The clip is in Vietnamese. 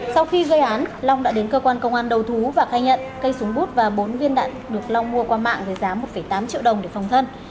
sau khi gây án long đã đến cơ quan công an đầu thú và khai nhận cây súng bút và bốn viên đạn được long mua qua mạng với giá một tám triệu đồng để phòng thân